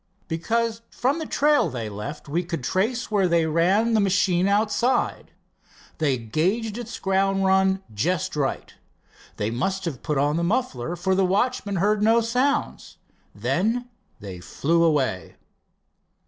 "Because from the trail they left we could trace where they ran the machine outside. They gauged its ground run just right. They must have put on the muffler, for the watchman heard no sounds. Then they flew away."